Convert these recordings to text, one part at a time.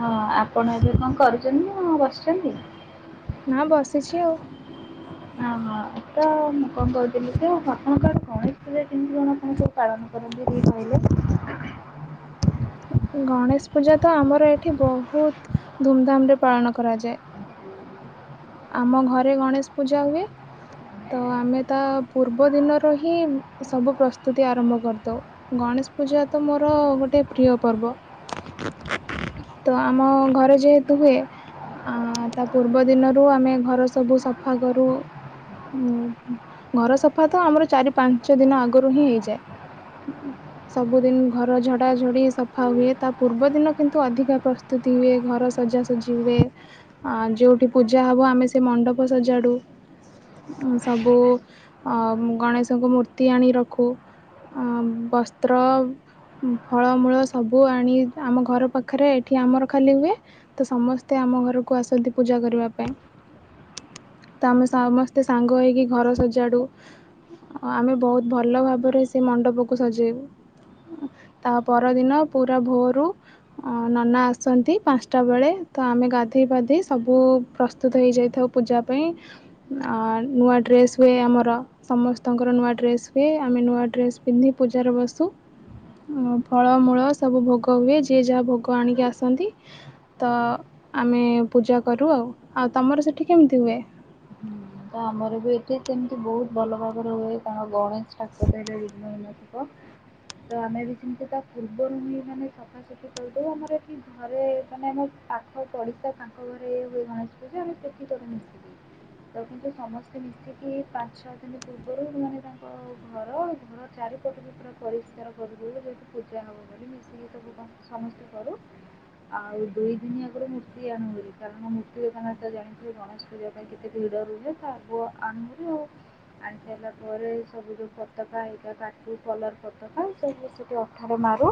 ହଁ ଆପଣ ଏବେ କଣ କରୁଛନ୍ତି ନା ବସିଛନ୍ତି? ନା ବସିଛି ଆଉ। ଓହୋ ତ ମୁଁ କଅଁ କହୁଥିଲି କି ଆପଣଙ୍କର ଗଣେଶ ପୂଜା କେମିତି କଣ ପହଞ୍ଚେ? ପାଳନ କରନ୍ତି ଟିକେ କହିଲେ ଗଣେଶ ପୂଜା ତ ଆମର ଏଠି ବହୁତ୍ ଧୂମଧାମ୍ ରେ ପାଳନ କରାଯାଏ। ଆମ ଘରେ ଗଣେଶ୍ ପୂଜା ହୁଏ ତ ଆମେ ତା ପୂର୍ବ ଦିନରୁ ହିଁ ସବୁ ପ୍ରସ୍ତୁତି ଆରମ୍ଭ କରିଦଉ। ଗଣେଶ ପୂଜା ତ ମୋର ଗୋଟେ ପ୍ରିୟ ପର୍ବ। ତ ଆମ ଘରେ ଯେହେତୁ ହୁଏ ଅଁ ତାପୂର୍ବ ଦିନ ରୁ ଆମେ ଘର ସବୁ ସଫା କରୁ ହୁଁ ଘର ସଫା ତ ଆମର ଚାରି ପାଞ୍ଚ ଦିନ ଆଗରୁ ହିଁ ହେଇଯାଏ। [inaudible] ସବୁଦିନ୍ ଘର ଝଡା ଝଡି ସଫା ହୁଏ ତା ପୂର୍ବ ଦିନ କିନ୍ତୁ ଅଧିକା ପ୍ର ପ୍ରସ୍ତୁତି ନିଏ ଘର ସଜାସଜି ହୁଏ ଆଁ ଯୋଉଠି ପୂଜା ହବ ଆମେ ସେ ମଣ୍ଡପ ସଜାଡ଼ୁ ଅ ସବୁ ଅ ଗଣେଶଙ୍କୁ ମୂର୍ତ୍ତି ଆଣି ରଖୁ ଅଁ ବସ୍ଥ୍ର ଫଳମୂଳ ସବୁ ଆଣି ଆମ ଘର ପାଖରେ ଏଇଠି ଆମର ଖାଲି ହୁଏ। ତ ସମସ୍ତେ ଆମ ଘରୁକୁ ଆସନ୍ତି ପୂଜା କରିବା ପାଇଁ। ତ ଆମେ ସମସ୍ତେ ସାଙ୍ଗ ହେଇକି ଘର ସଜାଡ଼ୁ। ଆଃ ଆମେ ବହୁତ ଭଲ ଭାବରେ ସେ ମଣ୍ଡପକୁ ସଜେଇବୁ। ତା ପରଦିନ ପୁରା ଭୋରୁ ଅଁ ନନା ଆସନ୍ତି ପାନଷ୍ଟା ବେଳେ ତ ଆମେ ଗାଧେଇ ପାାଧେଇ ସବୁ ପ୍ରସ୍ତୁତ ହେଇଯାଇଥାଉ ପୂଜା ପାଇଁ। ଆଁ ନୂଆ ଡ୍ରେସ୍ ହୁଏ ଆମର। ସମସ୍ତଙ୍କର ନୂଆ ଡ୍ରେସ୍ ହୁଏ। ଆମେ ନୂଆ ଡ୍ରେସ ପିନ୍ଧି ପୂଜାରେ ବସୁ। ଉଁ ଫଳମୂଳ ସବୁ ଭୋଗ ହୁଏ। ଯିଏ ଯାହା ଭୋଗ ଆଣିକି ଆସନ୍ତି। ତ ଆମେ ପୂଜା କରୁ ଆଉ। ଆଉ ତମର ସେଇଠି କେମିତି ହୁଏ? ହୁଁ, ତ ଆମର ବି ଏଇଠି ସେମିତି ବହୁତ ଭଲ ଭାବରେ ହୁଏ, କାରଣ ଗଣେଶ ଠାକୁର ହେଲେ ବିଘ୍ନବିନାଶକ। ତ ଆମେ ବି ସେମିତି ତା ପୂର୍ବରୁ ହିଁ ମାନେ ସପ୍ ଫା ସଫି କରିଦଉ। ଆମର ଏଠି ଘରେ ମାନେ ଆମ ପାଖ ପଡ଼ିଶା ତାଙ୍କ ଘରେ ହୁଏ ଗଣେଶ ପୂଜା। ଆମେ ସେ ସେଇଠି କରୁ ମିଶିକି। ଆଉ କିନ୍ତୁ ସମସ୍ତେ ମିଶିକି ପାଞ୍ଚ ଛଅ ଦିନ ପୂର୍ବରୁ ହିଁ ମାନେ ତାଙ୍କ ଘର ଘର ଚାରିପଟ ଭିତର ପରିଷ୍କାର କରିଦଉ ଯୋଉଠି ପୂଜା ହବ ବୋଲି। ମିଶିକି ସବୁ କଂ ସମସ୍ତେ କରୁ। ଆଉ ଦୁଇ ଦିନି ଆଗୁରୁ ମୂର୍ତ୍ତି ଆଣୁ ଭାରି କାରଣ ମୂର୍ତ୍ତି ଦୋକାନଟା ଜାଣିଥିବେ ଗଣେଶ ପୂଜା ପାଇଁ କେତେ ଭିଡ ରୁହେ ତ ଆଗୁଆ ଆଣୁ ଭାରି ଆଉ। ଆଣି ସାରିଲା ପରେ ସବୁ ଯୋଉ ପତାକା [unintelligible] କାଟୁ, କଲର କ [unintelligible] ସବୁ ମିଶିକି ଅଠାରେ ମାରୁ।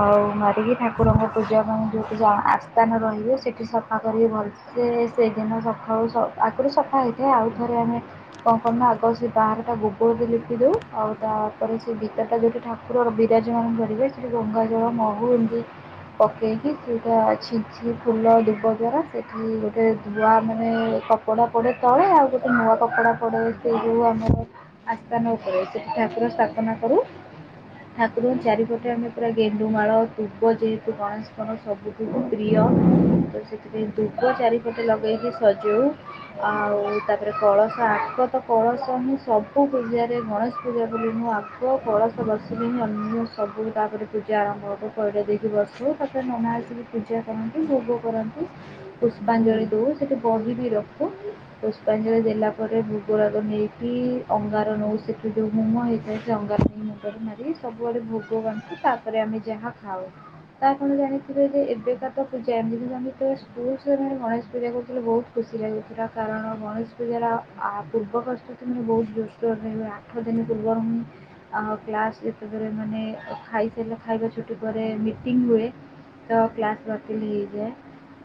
ଆଉ ମାରିକି ଠାକୁରଙ୍କ ପୂଜା ପାଇଁ ଯୋଉ [unintelligible] ଆସ୍ଥାନ ରହିବେ ସେଇଠି ସଫା କରିକି ଭଲସ୍ ସେ ସେଦିନ ସକାଳୁ ସ ଆଗୁରୁ ସଫା ହେଇଥାଏ ଆଉ ଥରେ ଆମେ କଣ କରୁ ନା ଆଗ ସେ ବାହାରଟା ଗୋବରରେ ଲିପି ଦଉ। ଆଉ ତା ପରେ ସେ ଭିତରଟା ଯୋଉଠି ଠାକ୍ କୁର ବିରାଜମାନ କରିବେ ସେଇଠି ଗଙ୍ଗା ଜଳ, ମହୁ ଏମିତି ପକେଇକି ସେଇଟା ଛିଞ୍ଚି ଫୁଲ ଦୁବ ଦ୍ଵାରା ସେଇଠି ଗୋଟେ ଧୂଆ ମାନେ କପ୍ ପଡା ପଡେ ତଳେ ଆଉ ଗୋଟେ ନୂଆ କପଡା ପଡେ ସେଇ ଯୋଉ ଆମର ଆସ୍ଥାନ ଉପରେ ସେଇଠି ଠାକୁର ସ୍ଥାପନା କରୁ। ଠାକୁରଙ୍କ ଚାରିପଟେ ଆମେ ପୁରା ଗେଣ୍ଡୁମାଳ, ଦୁବ ଯେହେତୁ ଗଣେଶଙ୍କର ସବୁ ଠୁ ପ୍ରିୟ ତ ସେଥିପାଇଁ ଦୁବ ଚାରିପଟେ ଲଗେଇକି ସଜଉ। ଆଉ ତା ପରେ କଳସ ଆଗ ତ କଳସ ହିଁ ସବୁ ପୂଜାରେ ଗଣେଶ ପୂଜା ବୋଲି ନୁହଁ ଆ ଗ କଳସ ବସିଲେ ହିଁ ଅନ୍ୟ ସବୁ ତା ପରେ ପୂଜା ଆରମ୍ଭ ହବ। ପଇଡ଼ ଦେଇକି ବସିବ। ତା ପରେ ନନା ଆସିକି ପୂଜା କରନ୍ତି, ଭୋଗ କରନ୍ତି, ପୁଷ୍ପାଞ୍ଜଳି ଦଉ। ସେଇଠି ବହିବି ରଖୁ। ପୁଷ୍ପାଞ୍ଜଳି ଦେଲା ପରେ ଭୋଗ ରାଗ ନେଇକି ଅଙ୍ଗାର ନଉ ସେଠୁ ଯୋଉ ହୁମୋ ହେଇଥାଏ ସେ ଅଙ୍ଗାର ନେଇ ମୁଁ ଣ୍ଡରେ ମାରିକି ସବୁଆଡ଼େ ଭୋଗ ବାଣ୍ଟୁ, ତା ପରେ ଆମେ ଯାହା ଖାଉ। ତ ଆପଣ ଜାଣିଥିବେ ଯେ ଏବେକା ତ ପୂଜା ଏମିତି। କିନ୍ତୁ ଆମେ ଯେତେବେଳେ ସ୍କୁଲ ସମୟରେ ଗଣେଶ ପୂଜା କରୁଥିଲୁ ବହୁତ ଖୁସି ଲାଗୁ [unintelligible] କାରଣ ଗଣେଶ ପୂଜାର ଆ ପୂର୍ବ ପ୍ରସ୍ତୁତି ମୁଁ ବହୁତ ଜୋରସୋରରେ ହୁଏ। ଆଠ ଦିନି ପୂର୍ବରୁ ହିଁ ଆଉ କ୍ଲାସ ଯେତେବେଳେ ମାନେ ଖାଇସାରିଲା ଖାଇବା ଛୁଟି ପରେ ମିଟିଂ ହୁଏ ତ କ୍ଲାସ ବାତିଲ୍ ହେଇଯାଏ।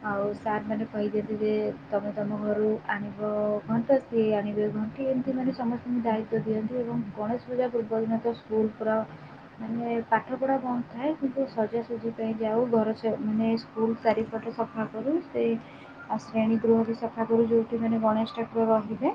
ଆଉ ସାରମାନେ କହି ଦିଅନ୍ତି ଯେ ତମେ ତମ ଘରୁ ଆଣିବ ଘଣ୍ଟ ସିଏ ଆଣିବେ ଘଣ୍ଟି। ଏମିତି ମାନେ ସମସ୍ତଙ୍କୁ ଦାୟିତ୍ଵ ଦିଅନ୍ତି ଏବଂ ଗଣେଶ ପୂଜା ପୂର୍ବ ଦିନ ତ ସ୍କୁଲ୍ ପୁରା ମାନେ ପାଠ ପଢା ବନ୍ଦ ଥାଏ। କିନ୍ତୁ ସଜାସଜି ପାଇଁ ଯାଉ। ଘର ସ ମାନେ ସ୍କୁଲ୍ ଚାରିପଟ ସଫା କରୁ। ସେଇ ଆ ଶ୍ରେଣୀ ଗୃହ ବି ସ ଫା କରୁ ଯୋଉଠି ମାନେ ଗଣେଶ ଠାକୁର ରହିବେ।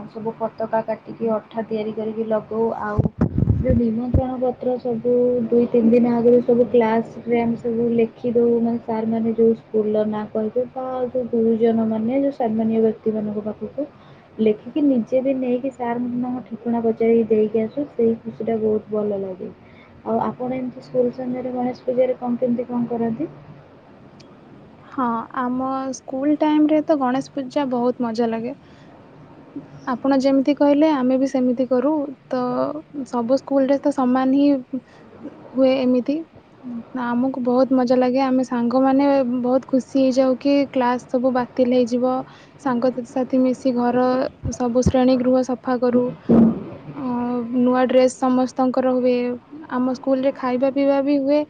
ଆଉ ସବୁ ପତକା କାଟିକି ଅଠା ତିଆରି କରିକି ଲଗଉ। ଆଉ [unintelligible] ନିମନ୍ତ୍ରଣ ପତ୍ର ସବୁ ଦୁଇ ତିନି ଦିନ ଆଗୁରୁ ସବୁ କ୍ଲାସରେ ଆମେ ସବୁ ଲେ ଲେଖିଦଉ ମାନେ ସାର୍ ମାନେ ଯୋଉ ସ୍କୁଲର ନାଁ କହିବେ ତ ସେ ଯୋଉ ଗୁରୁଜନ ମାନେ ଯଉ ସମ୍ମାନୀୟ ବ୍ୟକ୍ତି ମାନଙ୍କ ପାଖକୁ ଲେଖିକି ନିଜେ ବି ନେଇକି ସାର୍ ମନ ଠିକଣା ପଚାରି ଦେଇକି ଆସୁ ସେହି ମତେ ସେଇଟା ବହୁତ ଭଲ ଲାଗେ। ଆଉ ଆପଣ ଏମତି ସ୍କୁଲ ସମୟରେ ଗଣେଶ ପୂଜାରେ କଣ କେମତି କଣ କରନ୍ତି? ହଁ ଆମ ସ୍କୁଲ ଟାଇମରେ ତ ଗଣେଶ ପୂଜା ବହୁତ ମଜା ଲାଗେ। ଆପଣ ଯେମିତି କହିଲେ ଆମେ ବି ସେମିତି କରୁ ତ ସବୁ ସ୍କୁଲରେ ତ ସମାନ ହିଁ ହୁଏ ଏମିତି ଆମକୁ ବହୁତ ମଜା ଲାଗେ ଆମେ ସାଙ୍ଗମାନେ ବହୁତ ଖୁସି ହେଇଯାଉ କି କ୍ଲାସ୍ ସବୁ ବାତିଲ୍ ହେଇଯିବ। ସାଙ୍ଗସାଥି ମିଶି ଘର ସବୁ ଶ୍ରେଣୀ ଗୃହ ସଫା କରୁ। ଆଉ ନୂଆ ଡ୍ରେସ୍ ସମସ୍ତଙ୍କର ହୁଏ ଆମ ସ୍କୁଲରେ ଖାଇବା ପିଇବା ବି ହୁଏ।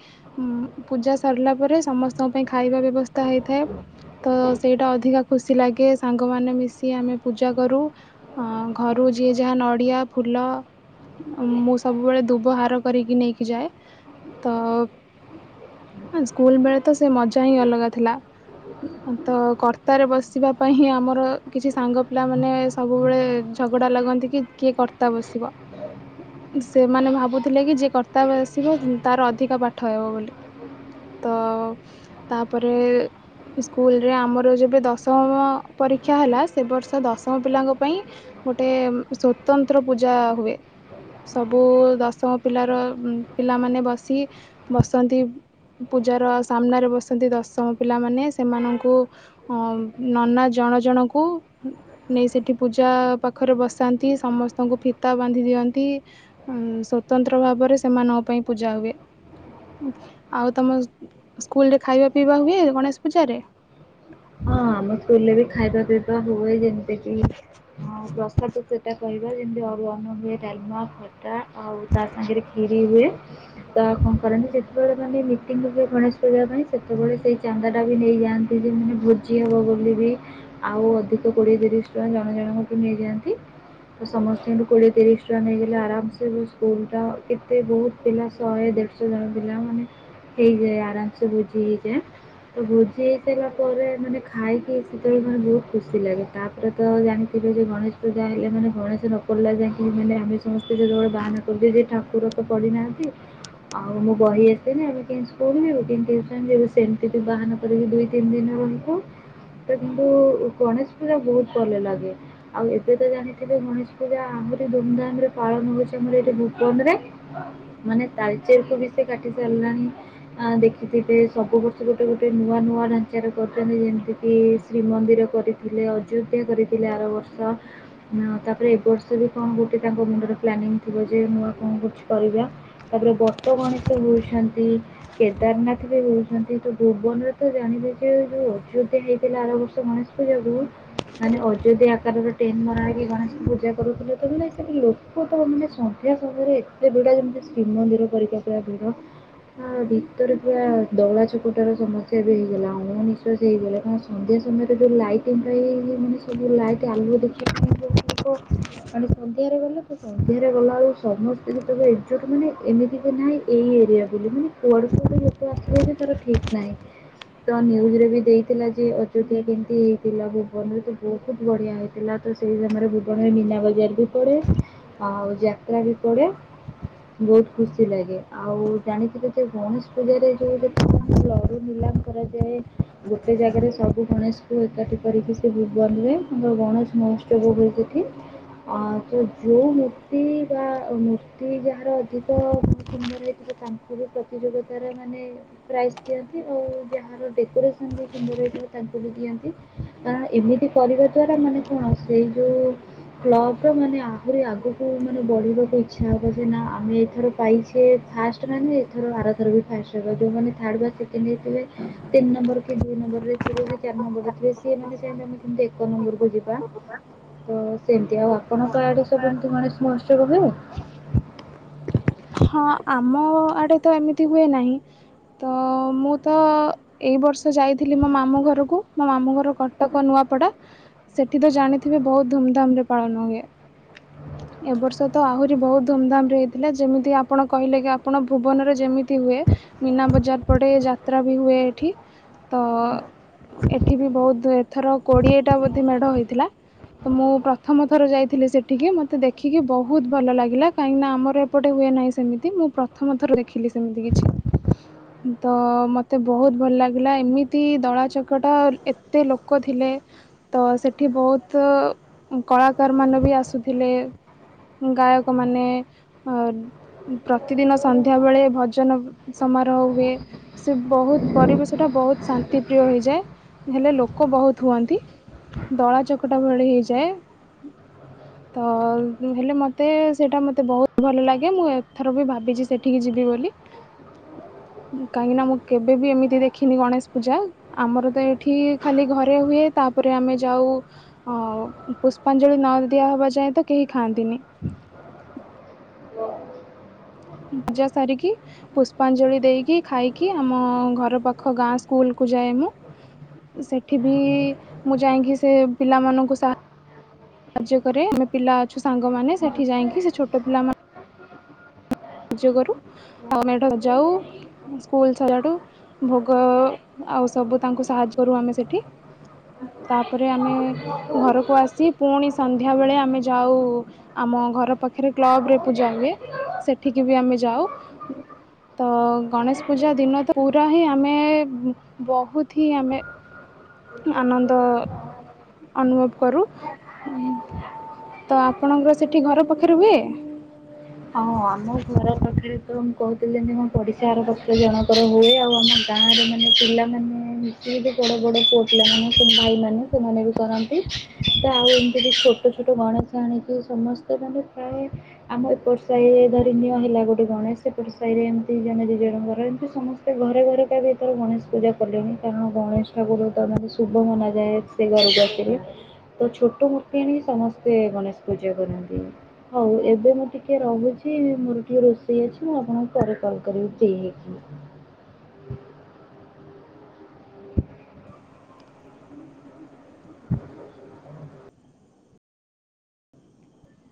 ଉଁ ପୂଜା ସରିଲା ପରେ ସମସ୍ତଙ୍କ ପାଇଁ ଖାଇବା ବ୍ୟବସ୍ଥା ହେଇଥାଏ। ତ ସେଇଟା ଅଧିକା ଖୁସି ଲାଗେ ସାଙ୍ଗମାନେ ମିଶି ଆମେ ପୂଜା କରୁ। ହଁ ଘରୁ ଯିଏ ଯାହା ନଡ଼ିଆ ଫୁଲ ମୁଁ ସବୁବେଳେ ଧୁବହାର କରିକି ନେଇକି ଯାଏ ତ ହଁ ସ୍କୁଲ ବେଳେ ତ ସେ ମଜା ହିଁ ଅଲଗା ଥିଲା। ତ କର୍ତ୍ତାରେ ବସିବା ପାଇଁହିଁ ଆମର କିଛି ସାଙ୍ଗ ପିଲା ମାନେ ସବୁବେଳେ ଝଗଡ଼ା ଲାଗନ୍ତି କି କିଏ କର୍ତ୍ତା ବସିବ? [unintelligible] ସେମାନେ ଭାବୁଥିଲେ କି ଯିଏ କର୍ତ୍ତା ବସିବ ତାର ଅଧିକ ପାଠ ହେବ ବୋଲି। ତ ତାପରେ ସ୍କୁଲରେ ଆମର ଯେବେ ଦଶମ ପରୀକ୍ଷା ହେଲା ସେ ବର୍ଷ ଦଶମ ପିଲାଙ୍କ ପାଇଁ ଗୋଟେ ସ୍ଵତନ୍ତ୍ର ପୂଜା ହୁଏ। ସବୁ ଦଶମ ପିଲାର ପିଲାମାନେ ବସି ବସନ୍ତି। ପୂଜାର ସାମ୍ନାରେ ବସନ୍ତି ଦଶମ ପିଲାମାନେ ସେମାନଙ୍କୁ ନନା ଜଣ ଜଣଙ୍କୁ ନେଇ ସେଇଠି ପୂଜା ପାଖରେ ବସାନ୍ତି ସମସ୍ତଙ୍କୁ ଫିତା ବାନ୍ଧି ଦିଅନ୍ତି। ଉଁ ସ୍ୱତନ୍ତ୍ର ଭାବରେ ସେମାନଙ୍କ ପାଇଁ ପୂଜା ହୁଏ। ଆଉ ତମ ସ୍କୁଲରେ ଖାଇବା ପିଇବା ହୁଏ ଗଣେଶ ପୂଜା ରେ? ହଁ ଆମ ସ୍କୁଲରେ ବି ଖାଇବା ପିଇବା ହୁଏ ଯେମତି କି ହଁ ପ୍ରସାଦ ସେଟା କହିବା ଯେମିତି ଅରୁଆ ଅନ୍ନ ହୁଏ ଡାଲମା ହୁଏ। ଟା ଆଉ ତା ସାଙ୍ଗରେ କ୍ଷୀରି ହୁଏ। ତ କଣ କରନ୍ତି ଯେତେବେଳେ ମାନେ ମିଟିଙ୍ଗ ହୁଏ ଗଣେଶ ପୂଜା ପାଇଁ ସେତେବେଳେ ସେଇ ଚାନ୍ଦା ଟା ବି ନେଇଯାଆନ୍ତି। ଦିଦିନ ଭୋଜି ଜି ହେବ ବୋଲି ବି ଆଉ ଅଧିକ କୋଡ଼ିଏ ତିରିଶ ଟଙ୍କା ଜଣ ଜଣଙ୍କଠୁ ନେଇଯାଆନ୍ତି। ତ ସମସ୍ତଠୁ କୋଡ଼ିଏ ତିରିଶ ଟଙ୍କା ନେଇଗଲେ ଆରାମସେ ସ୍କୁଲଟା କେତେ ବହୁତ ପିଲା ଶହେ ଦେବେ। ପିଲା ମାନେ ହେଇଯାଏ ଆରାମସେ ଭୋଜି ହେଇଯାଏ। ତ ଭୋଜି ହେଇ ସାଇଲା ପରେ ମାନେ ଖାଇକି ସେତେବେଳେ ମାନେ ବହୁତ ଖୁସି ଲାଗେ ତାପରେ ତ ଜାଣିଥିବେ ଯେ ଗଣେଶ ପୂଜା ହେଲେ ମାନେ ଗଣେଶ ନ ପଡିଲା ଯାଇକି ମାନେ ଆମେ ସମସ୍ତେ ଯେତେବେଳେ ବାହାନ କରୁ ଯେ ଠାକୁର ତ ପଡିନାହାନ୍ତି। ଆଉ ମୁଁ ବହି ଆସିନାହିଁ ଆମ କେମତି ସ୍କୁଲ୍ ଯିବୁ କେମତି ଟିଉସନ୍ ଯିବୁ ସେମିତି ବାହାନା କରିକି ଦୁଇ ତିନି ଦିନ ବେଳକୁ ତ କିନ୍ତୁ ଗଣେଶ ପୂଜା ବହୁତ ଭଲ ଲାଗେ। ଆଉ ଏବେ ତ ଜାଣିଥିବେ ଗଣେଶ ପୂଜା ଆହୁରି ଧୁମଧାମ ରେ ପାଳନ ହଉଛି ଆମର ଏଇଠି ଭୁବନ ରେ। ମାନେ ତାଲଚେରକୁ ବି ସେ କାଟି ସାରିଲାଣି। ଆ ଦେଖିଥିବେ ସବୁ ବର୍ଷ ଗୋଟେ ଗୋଟେ ନୂଆ ନୂଆ ଢାଞ୍ଚାରେ କରିଥାନ୍ତି ଯେମିତି କି ଶ୍ରୀମନ୍ଦିର କରିଥିଲେ ଅଯୋଧ୍ୟା କରିଥିଲେ ଆର ବର୍ଷ। ତାପରେ ଏବ ବର୍ଷ ବି କଣ ଗୋଟେ ତାଙ୍କ ମୁଣ୍ଡରେ ପ୍ଲାନିଂ ଥିବ ଯେ ନୂଆ କଣ କଛି କରିବା। ତା ପରେ ବଟ ଗଣେଶ ହଉଛନ୍ତି କେଦାରନାଥ ବି ହଉଛନ୍ତି ତ ଭୁବନରେ ତ ଜାଣିବେ ଯେ ଯୋଉ ଅଯୋ ହେଇଥିଲା ଆର ବର୍ଷ ଗଣେଶ ପୂଜା କୁ ମାନେ ଅଯୋଦି ଆକାରରେ ଟେନ ମରାଣିକି ଗଣେଶଙ୍କୁ ପୂଜା କରୁଥିଲେ ତ ନେଇସାରି ଲୋକ ତ ମାନେ ସନ୍ଧ୍ୟା ସମୟରେ ଏତେ ଭିଡ ଯେମିତି ଶ୍ରୀମନ୍ଦିର ପରୀକ୍ଷା ପା ଭିଡ ଆ ଭିତରେ ପୁରା ଦଳାଚକଟା ର ସମସ୍ୟା ବି ହେଇଗଲା ଅଣ ନିିଶ୍ଵାସ ହେଇଗଲା। ହ ସନ୍ଧ୍ୟା ସମୟରେ ଯଉଁ ଲାଇଟିଂ ପାଇଁ ମାନେ ସବୁ ଲାଇଟ୍ ଆଲୁଅ ଦେଖିବା ପାଇଁ ହବ କଣି ସନ୍ଧ୍ୟାରେ ଗଲେ ତୁ ସନ୍ଧ୍ୟାରେ ଗଲା ଆଉ ସମସ୍ତେ ତବେ ଏକଜୁଟ ମାନେ ଏମିତି ବି ନାହିଁ ଏଇ ଏରିଆ ବୋଲି ମାନେ କୁଆଡୁ କୁଆଡୁ ଲୋକ ଆସିଥିବେ ଯେ ତାର ଠିକ ନାହିଁ ତ ନିୟୁଜ ରେ ବି ଦେଇ ଥିଲା ଯେ ଅଯୋଧ୍ୟା କେମତି ହେଇଥିଲା ଭୁବନରୁ ତ ବହୁତ ବଢିଆ ହେଇଥିଲା ତ ସେଇ ସମୟ ରେ ଆପରେ ମୀନା ବଜାର ବି ପଡ଼େ ଆଉ ଯାତ୍ରା ବି ପଡ଼େ। ବହୁତ ଖୁସି ଲାଗେ ଆଉ ଜାଣିଥିଲେ ଯେ ଗଣେଶ ପୂଜାରେ ଯୋଉ ଲଡୁ ଥିଲା କରାଯାଏ। ଗୋଟେ ଜାଗାରେ ସବୁ ଗଣେଶକୁ ଏକାଠି କରିକି ସେ ଭୁବନରେ ତାଙ୍କର ଗଣେଶ ମହୋତ୍ସବ ହୁଏ ସେଠି। ଅ ତ ଯୋଉ ମୂର୍ତ୍ତି ବା ମୂର୍ତ୍ତି ଯାହାର ଅଧିକ ସୁନ୍ଦର ହେଇଥିବ ତା ତାକୁ ବି ପ୍ରତିଯୋଗତାରେ ମାନେ ପ୍ରାଇଜ ଦିଅନ୍ତି ଆଉ ଯାହାର ଡେକୋରେ ସନରେ ସୁନ୍ଦର ହେଇଥିବ ତାଙ୍କୁ ବି ଦିଅନ୍ତି। ଆ ଏମିତି କରିବା ଦ୍ଵାରା ମାନେ କଣ ସେଇ ଯୋଉ କ୍ଲବର ମାନେ ଆହୁରି ଆଗକୁ ମାନେ ବଢିବାକୁ ଇଚ୍ଛା ହବ ଯେ ନା ଆମେ ଏଥର ପାଇଛେ ଫାଷ୍ଟ ପାଇଚେ ମାନେ ଆର ଥର ବି ଫାର୍ଷ୍ଟ ହେବା ଯୋଉ ମାନେ ଥାର୍ଡ ବା ସେକେଣ୍ଡ ହେଇଥିବେ ତିନ ନମ୍ବର କି ଦୁଇ ନମ୍ବର ରେ ଥିବ କି ଚାରି ନମ୍ବର ଥିବେ ସେ ମାନେ ଚାହିଁବେ କି ଆମେ କେମିତି ଏକ ନମ୍ବରକୁ ଯିବା। ତ ସେମିତି ଆଉ ଆପଣଙ୍କ ଆଡେ ସବୁ ଏମିତି ଗଣେଶ ମହୋତ୍ସବ ହୁଏ। ହଁ ଆମ ଆଡେ ତ ଏମିତି ହୁଏ ନାହିଁ। ତ ମୁଁ ତ ଏଇ ବର୍ଷ ଯାଇଥିଲି ମୋ ମାମୁଁ ଘରକୁ ମୋ ମାମୁଁ ଘର କ ଟକ ନୂଆପଡା ସେଠି ତ ଜାଣିଥିବେ ବହୁତ ଧୁମଧାମରେ ପାଳନ ହୁଏ। ଏ ବର୍ଷ ତ ଆହୁରି ବହୁତ ଧୁମଧାମରେ ହେଇଥିଲା ଯେମିତି ଆପ ଆପଣ କହିଲେ କି ଆପଣ ଭୁବନରେ ଯେମିତି ହୁଏ ମୀନା ବଜାର ପଡେ ଯାତ୍ରା ବି ହୁଏ ଏଠି। ତ ଏଠି ବି ବହୁତ ଏଥର କୋଡ଼ିଏଟା ବୋଧେ ମେଢ ହେଇଥିଲା। ତ ମୁଁ ପ୍ରଥମ ଥର ଯାଇଥିଲି ସେଠିକି ମୋତେ ଦେଖିକି ବହୁତ ଭଲ ଲାଗିଲା କାହିଁକି ନା ଆମର ଏପଟେ ହୁଏ ନାହିଁ। ସେମିତି ମୁଁ ପ୍ରଥମ ଥର ଦେଖିଲି ସେମିତି କିଛି। ତ ମତେ ବହୁତ ଭଲ ଲାଗିଲା ଏମିତି ଦଳାଚକଟା ଏତେ ଲୋକ ଥିଲେ। ତ ସେଠି ବହୁତ କଳାକାର ମାନେ ବି ଆସିଥିଲେ। ଗାୟକମାନେ ଅ ପ୍ରତିଦିନ ସନ୍ଧ୍ୟାବେଳେ ଭଜନ ସମାରୋହ ହୁଏ। ସେ ବହୁତ ପରିବେଶଟା ବହୁତ ଶାନ୍ତିପ୍ରିୟ ହେଇଯାଏ ହେଲେ ଲୋକ ବହୁତ ହୁଅନ୍ତି। ଦଳା ଚକଟା ଭଳି ହେଇଯାଏ। ତ ହେଲେ ମତେ ସେଇଟା ମୋତେ ବହୁତ ଭଲ ଲାଗେ ମୁଁ ଏ ଥର ବି ଭାବିଛି ସେଠିକି ଯିବି ବୋଲି। କାହିଁକି ନା ମୁଁ କେବେବି ଏମିତି ଦେଖିନି ଗଣେଶ ପୂଜା। ଆମର ତ ଏଇଠି ଖାଲି ଘରେ ହୁଏ, ତାପରେ ଆମେ ଯାଉ ଆଉ ପୁଷ୍ପାଞ୍ଜଳି ନ ଦିଆହେବା ଯାଏଁ ତ, କେହି ଖାଆନ୍ତିନି। ପୂଜା ସାରିକି ପୁଷ୍ପାଞ୍ଜଳି ଦେଇକି, ଖାଇକି, ଆମ ଘର ପାଖ ଗାଁ ସ୍କୁଲକୁୁ ଯାଏ ମୁଁ। ସେଠି ବି ମୁଁ ଯାଇକି, ସେ ପିଲାମାନଙ୍କୁ ସା ସାହାଯ୍ୟ କରେ, ଆମେ ପିଲା ଅଛୁ ସାଙ୍ଗମାନେ, ସେଠି ଯାଇକି ସେ ଛୋଟ ପିଲାମାନେ ସାହାଯ୍ୟ କରୁ, ଆଉ ମେଢ଼ ଯାଉ। ସ୍କୁଲ ସଇଲାଠୁ, ଭୋଗ ଆଉ ସବୁ ତାଙ୍କୁ ସାହାଯ୍ୟ କରୁ ଆମେ ସେଇଠି। ତାପରେ ଆମେ ଘରକୁ ଆସି, ପୁଣି ସନ୍ଧ୍ୟା ବେଳେ ଆମେ ଯାଉ ଆମ ଘର ପାଖରେ କ୍ଲବରେ ପୂଜା ହୁଏ। ସେଠିକି ବି ଆମେ ଯାଉ। ତ, ଗଣେଶ ପୂଜା ଦିନ ତ ପୁରା ହିଁ ଆମେ, ବହୁତ ହିଁ ଆମେ ଆନନ୍ଦ [unintelligible] ଅନୁଭବ କରୁ, ତ ଆପଣଙ୍କର ସେଠି ଘର ପାଖରେ ହୁଏ? ହଁ, ଆମ ଘର ପାଖରେ ତ ମୁଁ କହୁଥିଲି ଯେ ମ ପଡିଶା ଘର ପାଖରେ ଜଣଙ୍କର ହୁଏ ଆଉ ଆମ ଗାଁରେ ମାନେ ପିଲାମାନେ ସିଏ ବି ବଡ଼ ବଡ଼ ପୁଅ ପିଲାମାନେ, ସେ ଭାଇମାନେ, ସେମାନେ ବି କରନ୍ତି। ତ ଆଉ ଏମିତି ବି ଛୋଟ ଛୋଟ ଗଣେଶ ଆଣିିକି ସମସ୍ତେ ମାନେ ପ୍ରାୟ ଆମ ଏପର୍ ସାହିରେ ଧରିନିଅ ହେଲା ଗୋଟେ ଗଣେଶ, ସେପଟେ ସାହିରେ ଏମିତି ଜଣେ ଦୁଇ ଜଣଙ୍କର ଏମିତି ସମସ୍ତେ ଏ ଘରେ ଘରେ କ ବି ଏଥର ଗଣେଶ ପୂଜା କଲେଣି, କାରଣ ଗଣେଶ ଠାକୁର ତ ମାନେ ଶୁଭ ମନାଯାଏ। ସେ ଘରକୁ ଆସିକି ତ ଛୋଟ ମୂର୍ତ୍ତି ଆଣିକି ସମସ୍ତେ ଗଣେଶ ପୂଜା କରନ୍ତି, ହଉ ଏବେ ମୁଁ ଟିକେ ଟିକେ ରହୁଚି, ମୋର ଟିକେ ରୋଷେଇ ଅଛି, ମୁଁ ଆପଣଙ୍କୁ ପରେ କଲ କରିବି, ଫ୍ରି ହେଇକି।